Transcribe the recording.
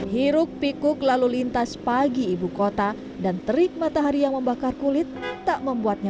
hiruk pikuk lalu lintas pagi ibu kota dan terik matahari yang membakar kulit tak membuatnya